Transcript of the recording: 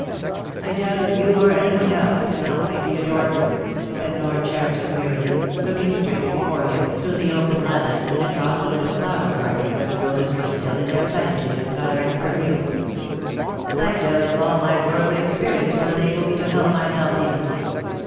"I doubt if you or any one else can help me, Theo dore," said Lord Cheriton wearily, looking straight before him through the open lattice and across the little flower garden where the roses were still in their plenitude of colour and perfume. "I doubt if all my worldly ex perience will enable me to help myself even.